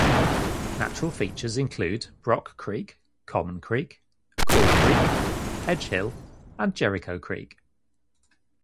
Natural features include Brock Creek, Common Creek, Core Creek, Edge Hill, and Jericho Creek.